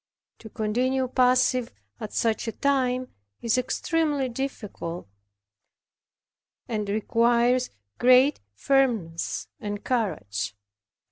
To continue passive at such a time is extremely difficult, and requires great firmness and courage.